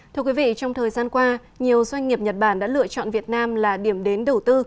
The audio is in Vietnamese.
thưa quý vị trong thời gian qua nhiều doanh nghiệp nhật bản đã lựa chọn việt nam là điểm đến đầu tư